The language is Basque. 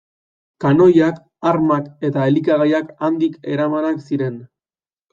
Kanoiak, armak eta elikagaiak handik eramanak ziren.